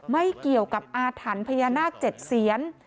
ไม่เกี่ยวกับอาถรรพ์พญานาค๗เสียน